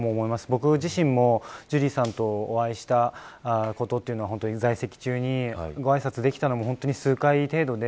僕自身もジュリーさんとお会いしたことというのは在籍中に、ごあいさつできたのも数回程度で